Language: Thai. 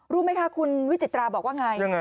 รู้ไหมคะคุณวิจิตราบอกว่าไง